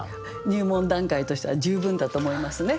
入門段階としては十分だと思いますね。